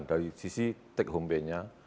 dari sisi take home pay nya